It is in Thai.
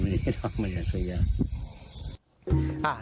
มันไม่ได้อย่างสวยค่ะ